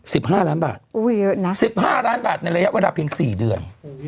ห้าล้านบาทอุ้ยเยอะนะสิบห้าล้านบาทในระยะเวลาเพียงสี่เดือน